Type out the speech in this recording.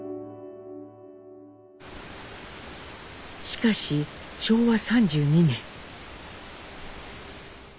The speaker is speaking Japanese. しかし昭和３２年。